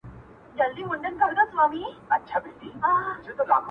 o چي ورته سر ټيټ كړمه ، وژاړمه.